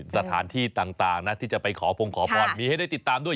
สถานที่ต่างนะที่จะไปขอพงขอพรมีให้ได้ติดตามด้วย